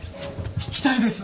行きたいです。